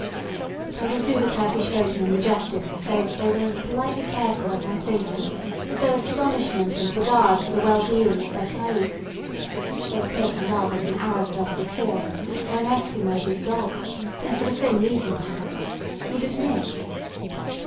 But I will do the Turkish boatmen the justice to say that they were as politely careful of my safety as their astonishment and regard for the well being of their caicques (which they appear to love as an Arab does his horse, or an Esquimaux his dogs, and for the same reason perhaps) would admit.